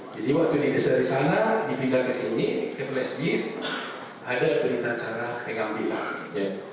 jadi waktu ini dari sana dipindah ke sini ke flashdisk ada perintah cara pengambilan